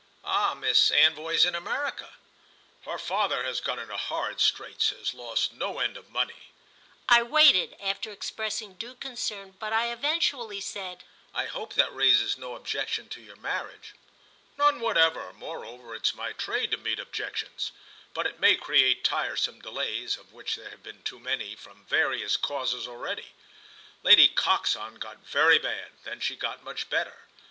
"Ah Miss Anvoy's in America?" "Her father has got into horrid straits—has lost no end of money." I waited, after expressing due concern, but I eventually said: "I hope that raises no objection to your marriage." "None whatever; moreover it's my trade to meet objections. But it may create tiresome delays, of which there have been too many, from various causes, already. Lady Coxon got very bad, then she got much better.